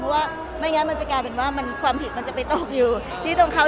เพราะว่าไม่งั้นมันจะกลายเป็นว่าความผิดมันจะไปตกอยู่ที่ตรงเขา